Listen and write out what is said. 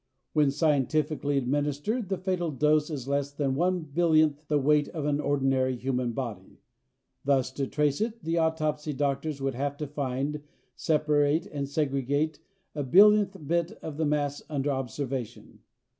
When scientifically administered the fatal dose is less than one billionth the weight of an ordinary human body. Thus, to trace it, the autopsy doctors would have to find, separate or segregate a billionth bit of the mass under observation.